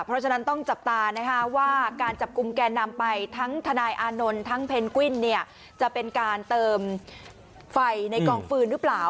เพราะฉะนั้นต้องจับตานะคะว่าการจับกลุ่มแกนนำไปทั้งทนายอานนท์ทั้งเพนกวิ้นเนี่ยจะเป็นการเติมไฟในกองฟืนหรือเปล่า